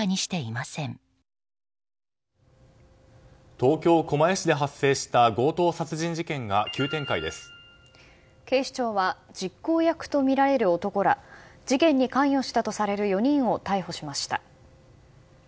東京・狛江市で発生した強盗殺人事件が警視庁は実行役とみられる男ら事件に関与したとされる４人を逮捕しました。